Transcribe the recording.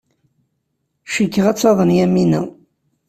Cikkeɣ ad taḍen Yamina.